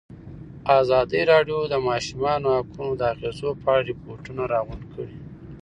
ازادي راډیو د د ماشومانو حقونه د اغېزو په اړه ریپوټونه راغونډ کړي.